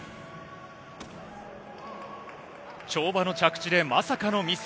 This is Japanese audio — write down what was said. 跳馬の着地で、まさかのミス。